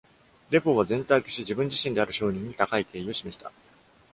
デフォーは全体として、自分自身である商人に高い敬意を示した。